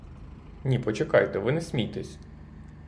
Ні, почекайте, ви не смійтесь.